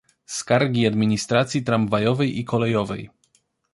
"Skargi administracji tramwajowej i kolejowej."